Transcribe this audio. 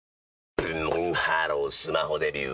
ブンブンハロースマホデビュー！